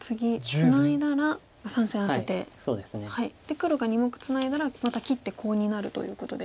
黒が２目ツナいだらまた切ってコウになるということで。